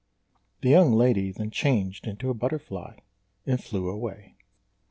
The young lady then changed into a butterfly and flew away.